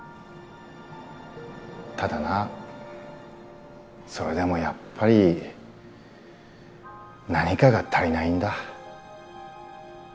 ただなそれでもやっぱり何かが足りないんだ。